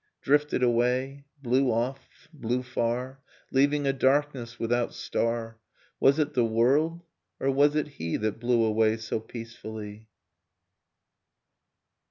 Drifted away, blew off, blew far. Leaving a darkness without star: Was it the world, or was it he. That blew away so peacefully?